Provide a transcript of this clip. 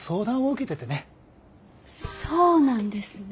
そうなんですね。